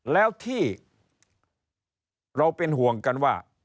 แล้วที่เราเป็นห่วงกันว่า